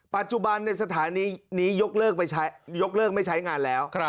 ปัจจุบันในสถานีนี้ยกเลิกไม่ใช้งานแล้ว